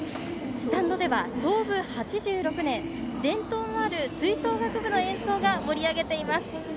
スタンドでは創部８６年伝統のある吹奏楽部の演奏が盛り上げています。